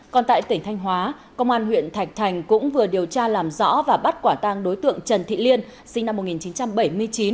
còn tại tỉnh thanh hóa công an huyện thạch thành cũng vừa điều tra làm rõ và bắt quả tang đối tượng trần thị liên sinh năm một nghìn chín trăm bảy mươi chín